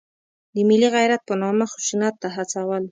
د ملي غیرت په نامه خشونت ته هڅول.